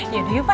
yaudah yuk pak